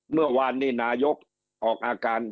เมื่อวานนี้นายกออกอาการ